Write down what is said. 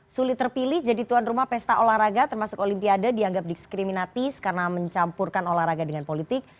sulit terpilih jadi tuan rumah pesta olahraga termasuk olimpiade dianggap diskriminatis karena mencampurkan olahraga dengan politik